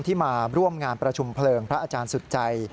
มาร่วมงานประชุมเพลิงพระอาจารย์สุดใจ